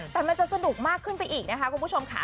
แต่มันจะสรุปนะขึ้นไปอีกนะครับครับคุณผู้ชมคะ